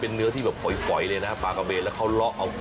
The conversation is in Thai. รสชาติมันเข้มข้นนะ